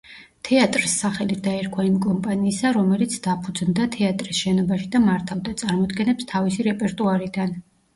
თეატრს სახელი დაერქვა იმ კომპანიისა, რომელიც დაფუძნდა თეატრის შენობაში და მართავდა წარმოდგენებს თავისი რეპერტუარიდან.